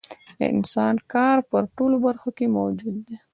د انسان کار په ټولو برخو کې موجود دی